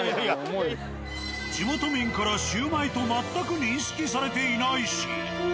地元民からシウマイと全く認識されていないし